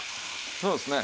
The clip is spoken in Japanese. そうですね。